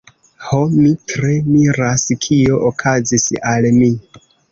Ho, mi tre miras kio okazis al mi.